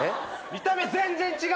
見た目全然違うじゃん。